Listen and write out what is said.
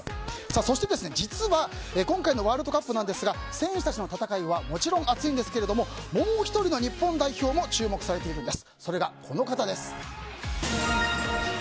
そして実は今回のワールドカップですが選手たちの戦いはもちろん熱いんですがもう１人の日本代表も注目されているんです。